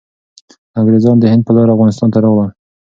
انګریزان د هند په لاره افغانستان ته راغلل.